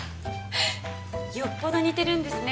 よっぽど似てるんですね